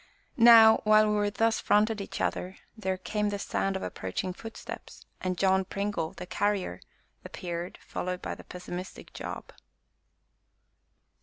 Now, while we thus fronted each other, there came the sound of approaching footsteps, and John Pringle, the Carrier, appeared, followed by the pessimistic Job.